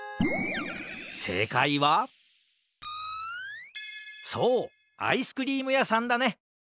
せいかいはそうアイスクリームやさんだね！